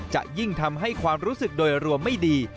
จะยิ่งทำให้ความรู้สึกโดยรวมไม่ดี